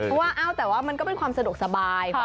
เพราะว่าแต่ว่ามันก็เป็นความสะดวกสบาย